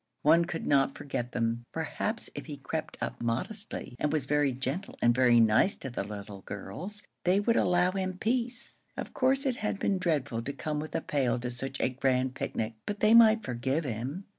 One could not forget them. Perhaps if he crept up modestly, and was very gentle and very nice to the little girls, they would allow him peace. Of course it had been dreadful to come with a pail to such a grand picnic, but they might forgive him.